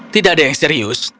tidak ada yang serius